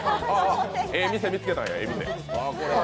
ええ店、見つけたんや。